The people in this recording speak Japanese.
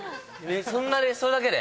そんなにそれだけで？